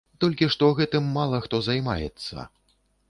Толькі што гэтым мала хто займаецца.